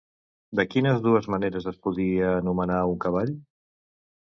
De quines dues maneres es podia anomenar a un cavall?